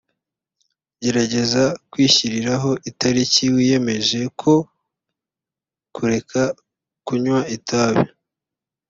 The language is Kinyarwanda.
Gerageza kwishyiriraho itariki wiyemeje ko kureka kunywa itabi